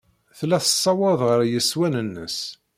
Tella tessawaḍ ɣer yeswan-nnes.